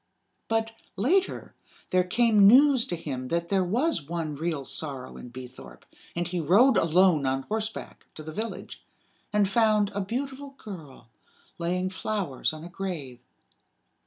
But, later, there came news to him that there was one real sorrow in Beethorpe; and he rode alone on horseback to the village, and found a beautiful girl laying flowers on a grave.